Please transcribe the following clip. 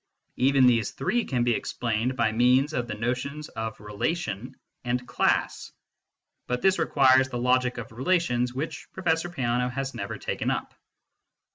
Even these three can be explained by means of the notions of relation and class ; but this requires the Logic of Relations, which Professor Peano has never taken up.